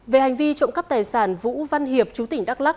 về hành vi trộm cắp tài sản vũ văn hiệp chú tỉnh đắk lắc